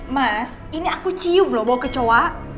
mas ini aku cium loh bau kecoa